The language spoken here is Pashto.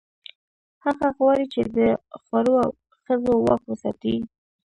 هغه غواړي، چې د خوړو او ښځو واک وساتي.